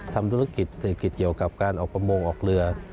ทำธุรกิจเกี่ยวกับการออกประมงออกเรือ